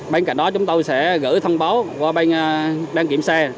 bên cạnh đó chúng tôi sẽ gửi thông báo qua băng kiểm xe